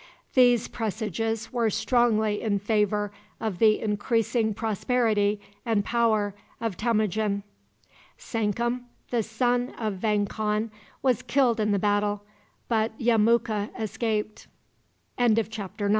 These presages were strongly in favor of the increasing prosperity and power of Temujin. Sankum, the son of Vang Khan, was killed in the battle, but Yemuka escaped. CHAPTER X.